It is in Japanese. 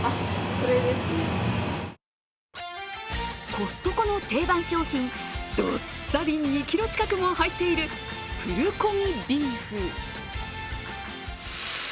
コストコの定番商品、どっさり２ｋｇ近くも入っているプルコギビーフ。